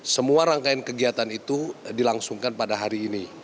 semua rangkaian kegiatan itu dilangsungkan pada hari ini